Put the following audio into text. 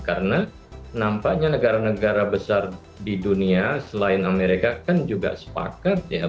karena nampaknya negara negara besar di dunia selain amerika kan juga sepakat ya